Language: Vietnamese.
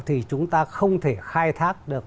thì chúng ta không thể khai thác được